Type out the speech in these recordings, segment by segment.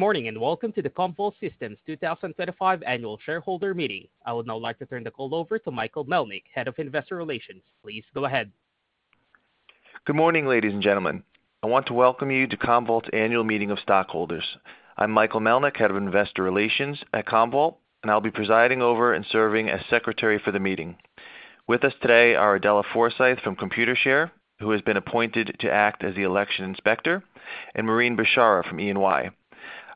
Good morning and welcome to the Commvault Systems Inc. 2025 Annual Shareholder Meeting. I would now like to turn the call over to Michael Melnyk, Head of Investor Relations. Please go ahead. Good morning, ladies and gentlemen. I want to welcome you to Commvault's Annual Meeting of Stockholders. I'm Michael Melnyk, Head of Investor Relations at Commvault, and I'll be presiding over and serving as Secretary for the meeting. With us today are Adela Forsyth from Computershare, who has been appointed to act as the Election Inspector, and Maureen Beshara from E&Y.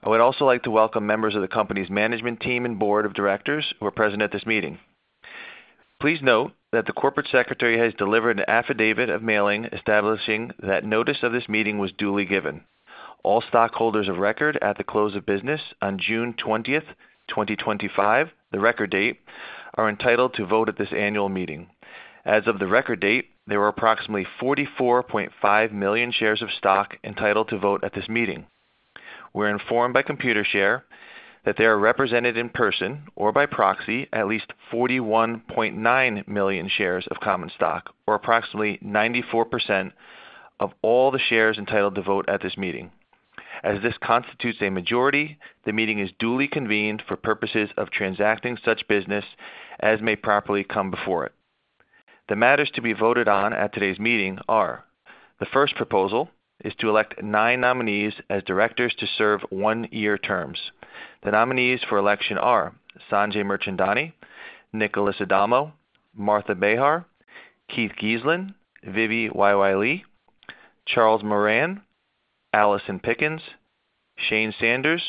I would also like to welcome members of the company's Management Team and Board of Directors, who are present at this meeting. Please note that the Corporate Secretary has delivered an affidavit of mailing establishing that notice of this meeting was duly given. All stockholders of record at the close of business on June 20, 2025, the record date, are entitled to vote at this annual meeting. As of the record date, there were approximately 44.5 million shares of stock entitled to vote at this meeting. We are informed by Computershare that there are represented in person or by proxy at least 41.9 million shares of common stock, or approximately 94% of all the shares entitled to vote at this meeting. As this constitutes a majority, the meeting is duly convened for purposes of transacting such business as may properly come before it. The matters to be voted on at today's meeting are: the first proposal is to elect nine nominees as directors to serve one-year terms. The nominees for election are Sanjay Mirchandani, Nicholas Adamo, Martha Bejar, Keith Geeslin, Vivy "YY" Lee, Charles Moran, Allison Pickens, Shane Sanders,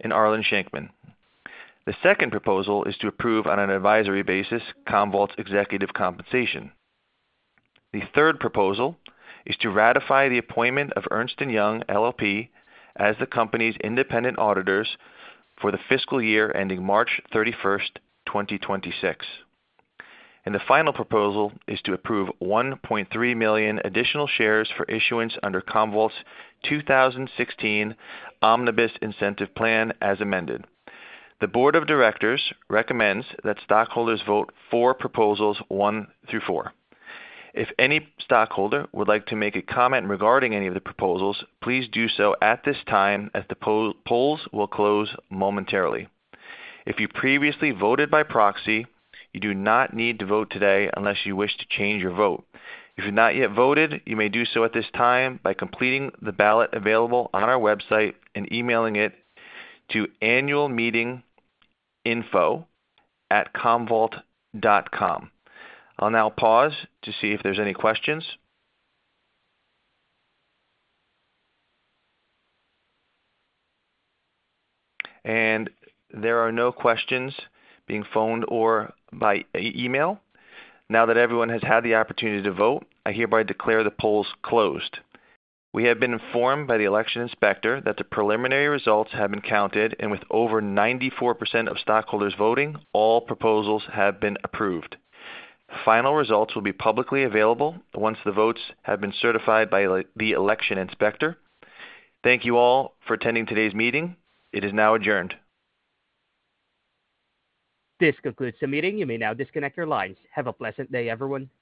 and Arlen Shenkman. The second proposal is to approve on an advisory basis Commvault's executive compensation. The third proposal is to ratify the appointment of Ernst & Young LLP as the company's independent auditors for the fiscal year ending March 31, 2026. The final proposal is to approve 1.3 million additional shares for issuance under Commvault's 2016 Omnibus Incentive Plan as amended. The Board of Directors recommends that stockholders vote for proposals one through four. If any stockholder would like to make a comment regarding any of the proposals, please do so at this time as the polls will close momentarily. If you previously voted by proxy, you do not need to vote today unless you wish to change your vote. If you have not yet voted, you may do so at this time by completing the ballot available on our website and emailing it to annualmeetinginfo@commvault.com. I'll now pause to see if there are any questions. There are no questions being phoned or by email. Now that everyone has had the opportunity to vote, I hereby declare the polls closed. We have been informed by the Election Inspector that the preliminary results have been counted and with over 94% of stockholders voting, all proposals have been approved. Final results will be publicly available once the votes have been certified by the Election Inspector. Thank you all for attending today's meeting. It is now adjourned. This concludes the meeting. You may now disconnect your lines. Have a pleasant day, everyone.